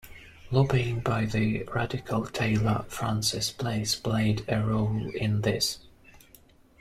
Lobbying by the radical tailor Francis Place played a role in this.